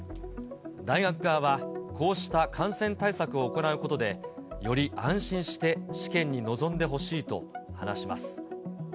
大学側は、こうした感染対策を行うことで、より安心して試験に臨んでほしいと話します。